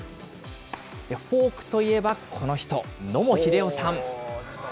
フォークといえばこの人、野茂英雄さん。